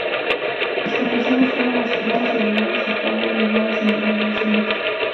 Los campesinos fueron desarmados y obligados a pagar elevadas indemnizaciones.